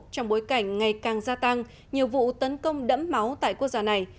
trong bối cảnh ngày càng gia tăng nhiều vụ tấn công đẫm máu tại quốc gia này